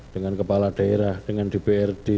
dengan kepala daerah dengan dprd